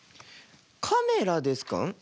カメラですか？